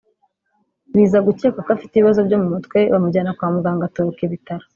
biza gukekwa ko afite ibibazo byo mu mutwe bamujyana kwa muganga atoroka ibitaro